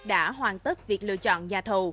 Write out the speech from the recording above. đã hoàn tất việc lựa chọn nhà thầu